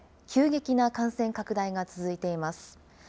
急激な感染拡大が続いています。